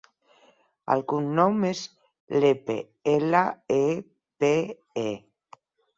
El cognom és Lepe: ela, e, pe, e.